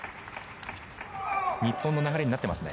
日本の流れになっていますね。